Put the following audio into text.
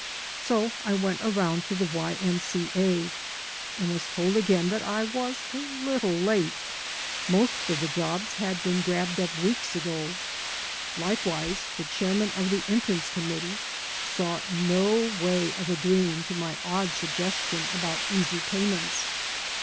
So I went aroimd to the Y. M. C. A. and was told again that I was a little late. Most of the jobs had been 803 AN AMERICAN IN THE MAKING grabbed up weeks ago. Likewise, the chairman of the Entrance Committee saw no way of agreeing to my odd suggestion about easy payments.